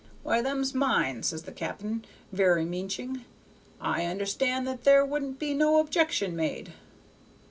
'Why, them's mine,' says the cap'n, very meaching. 'I understood that there wouldn't be no objection made.'